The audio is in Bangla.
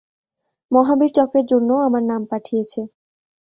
মহা বীর চক্রের জন্যও আমার নাম পাঠিয়েছে।